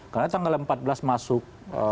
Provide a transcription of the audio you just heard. karena tanggal empat belas masuk